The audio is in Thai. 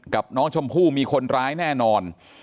กับน้องชมพู่มีคนร้ายแน่นอน